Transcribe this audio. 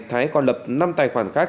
thái còn lập năm tài khoản khác